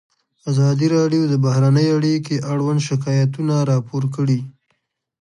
ازادي راډیو د بهرنۍ اړیکې اړوند شکایتونه راپور کړي.